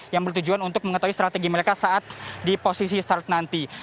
yang bertujuan untuk mengetahui strategi mereka saat di posisi start nanti